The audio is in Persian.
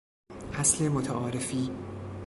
اصل متعارفی